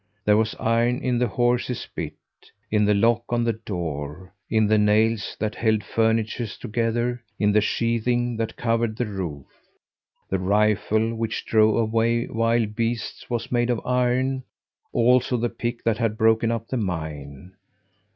There was iron in the horse's bit, in the lock on the door, in the nails that held furniture together, in the sheathing that covered the roof. The rifle which drove away wild beasts was made of iron, also the pick that had broken up the mine.